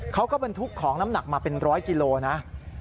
เขาก็เป็นทุกของน้ำหนักมาเป็น๑๐๐กิโลกรัม